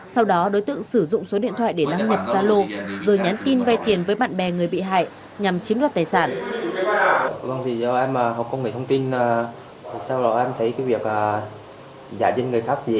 sau đó đối tượng sử dụng số điện thoại để đăng nhập gia lô rồi nhắn tin vay tiền với bạn bè người bị hại nhằm chiếm đoạt tài sản